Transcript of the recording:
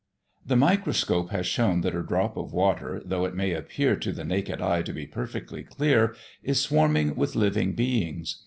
The microscope has shown that a drop of water though it may appear to the naked eye to be perfectly clear, is swarming with living beings.